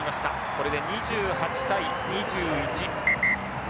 これで２８対２１。